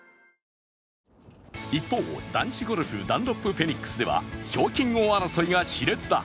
一方男子ゴルフダンロップフェニックスでは賞金王争いが、しれつだ。